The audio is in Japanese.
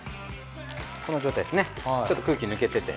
この状態ですねちょっと空気抜けてて。